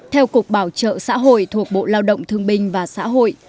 theo cục bảo trợ xã hội thuộc bộ lao động thương binh và xã hội